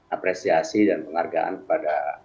apresiasi dan penghargaan kepada